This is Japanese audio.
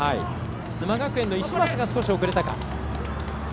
須磨学園の石松が少し遅れたか。